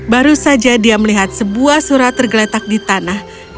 baru saja dia melihat sebuah surat tergeletak di tanah